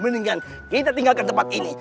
mendingan kita tinggalkan tempat ini